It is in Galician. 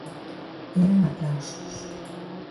Eran aplausos.